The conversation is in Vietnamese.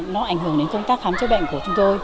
nó ảnh hưởng đến công tác khám chữa bệnh của chúng tôi